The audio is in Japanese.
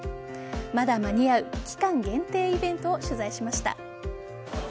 まだ間に合う期間限定イベントを取材しました。